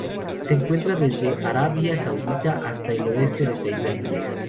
Se encuentra desde Arabia Saudita hasta el oeste de Tailandia.